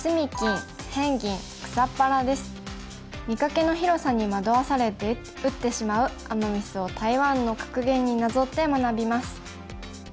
見かけの広さに惑わされて打ってしまうアマ・ミスを台湾の格言になぞって学びます。